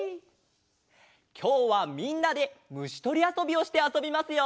きょうはみんなでむしとりあそびをしてあそびますよ。